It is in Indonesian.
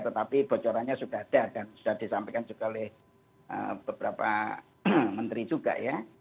tetapi bocorannya sudah ada dan sudah disampaikan juga oleh beberapa menteri juga ya